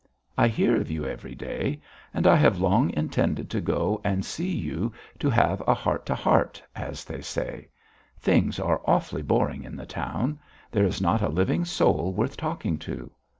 "I hear of you every day and I have long intended to go and see you to have a heart to heart, as they say. Things are awfully boring in the town; there is not a living soul worth talking to.